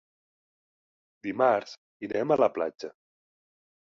Dimarts irem a la platja.